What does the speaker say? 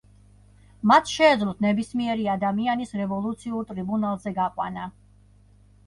მათ შეეძლოთ ნებისმიერი ადამიანის რევოლუციურ ტრიბუნალზე გაყვანა.